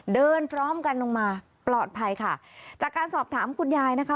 พร้อมกันลงมาปลอดภัยค่ะจากการสอบถามคุณยายนะคะ